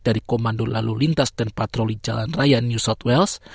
dari komando lalu lintas dan patroli jalan raya new south wales